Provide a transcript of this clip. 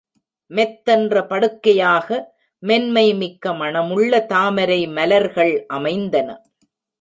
மெத்தென்ற படுக்கையாக, மென்மை மிக்க மணமுள்ள தாமரை மலர்கள் அமைந்தன.